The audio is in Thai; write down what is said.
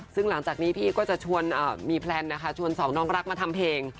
ซึ่งหลังจากนี้พี่ก็จะชวนมีแพลนนะคะชวนสองน้องรักมาทำเพลง